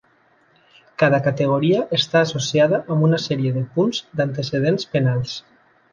Cada categoria està associada amb una sèrie de punts d'antecedents penals.